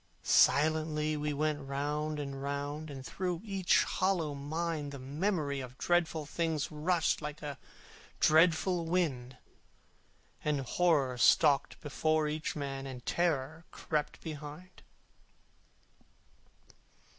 Silently we went round and round, And through each hollow mind The Memory of dreadful things Rushed like a dreadful wind, And Horror stalked before each man, And Terror crept behind.